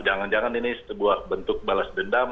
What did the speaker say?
jangan jangan ini sebuah bentuk balas dendam